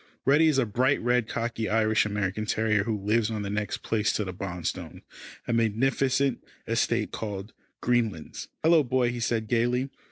Reddy is a bright red, cocky Irish American terrier who lives on the next place to the Bonstones a magnificent estate called Greenlands. "Hello! Boy," he said gaily.